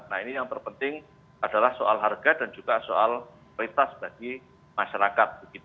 nah ini yang terpenting adalah soal harga dan juga soal prioritas bagi masyarakat